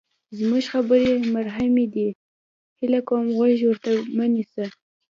زمونږ خبرې محرمې دي، هیله کوم غوږ ورته مه نیسه!